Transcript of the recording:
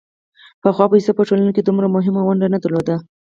پخوا پیسو په ټولنه کې دومره مهمه ونډه نه درلوده